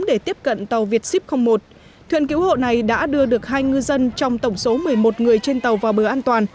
để tiếp cận tàu vietship một thuyền cứu hộ này đã đưa được hai ngư dân trong tổng số một mươi một người trên tàu vào bờ an toàn